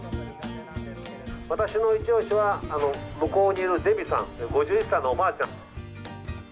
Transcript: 私の一押しは向こうにいるデビィさん、５１歳のおばあちゃん。